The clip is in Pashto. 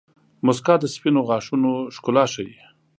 • مسکا د سپینو غاښونو ښکلا ښيي.